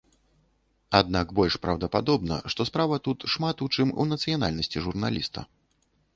Аднак больш праўдападобна, што справа тут шмат у чым у нацыянальнасці журналіста.